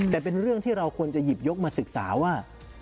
แต่เป็นเรื่องที่เราควรจะหยิบยกมาศึกษาว่า